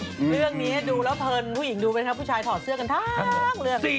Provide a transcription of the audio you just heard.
เรื่องนี้ดูแล้วพื้นผู้หญิงดูไว้ทำไมผู้ชายถอดเสื้อกันถ่าก